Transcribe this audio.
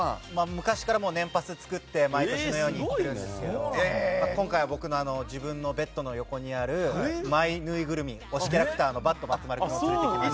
昔から年パス作って毎年のように行ってるんですけど今回は僕のベッドの横にあるマイぬいぐるみ推しキャラクターのバッドばつ丸君を連れてきました。